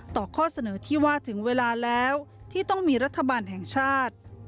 ข้อเสนอที่ว่าถึงเวลาแล้วที่ต้องมีรัฐบาลแห่งชาติ